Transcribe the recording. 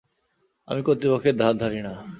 আমি কর্তৃপক্ষের ধার ধারি না।